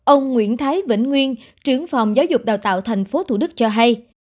ông nguyễn thái vĩnh nguyên trưởng phòng giáo dục đào tạo thành phố thủ đức cho hay